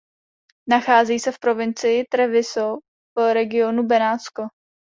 Nachází se v provincii Treviso v regionu Benátsko.